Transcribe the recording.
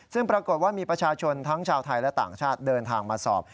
ซึ่งปรากฏว่ามีประชาชนทั้งชาวไทยและต่างชาติเดินทางมาสอบ